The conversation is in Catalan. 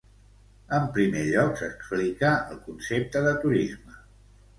En primer lloc s'explica el concepte de turisme.